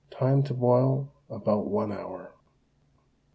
Time to boil, about one hour.